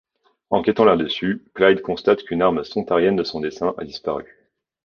Enquêtant là dessus, Clyde constate qu'une arme Sontarienne de son dessin a disparu.